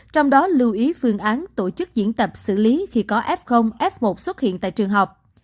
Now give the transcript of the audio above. trong đó lưu ý phương án tổ chức diễn tập xử lý khi có f f một xuất hiện tại trường học